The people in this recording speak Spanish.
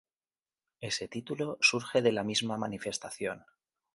Ese título surge de la misma Manifestación.